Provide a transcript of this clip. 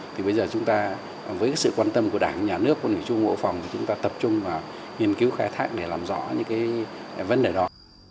thì bây giờ chúng ta với sự quan tâm của đảng nhà nước quân hệ chung hộ phòng thì chúng ta tập trung vào nghiên cứu khai thác để làm rõ những cái vấn đề đó